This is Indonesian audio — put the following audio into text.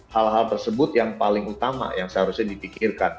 hal hal tersebut yang paling utama yang seharusnya dipikirkan